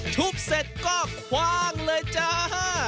ทุบเสร็จก็คว่างเลยจ้า